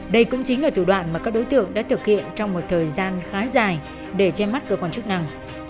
đây cũng chính là thủ đoạn mà các đối tượng đã thực hiện trong một thời gian khá dài để che mắt cơ quan chức năng